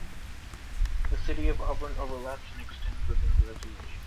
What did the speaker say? The city of Auburn overlaps and extends within the reservation.